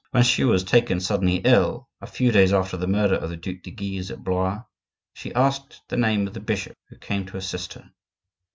When she was taken suddenly ill, a few days after the murder of the Duc de Guise at Blois, she asked the name of the bishop who came to assist her.